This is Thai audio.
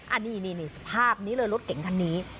อันนี้สภาพนี้เลยรถเก๋งคันนี้